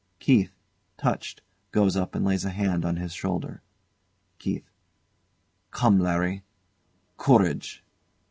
] KEITH touched, goes up and lays a hand on his shoulder. KEITH. Come, Larry! Courage!